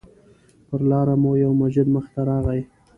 پر لاره مو یو مسجد مخې ته راغی.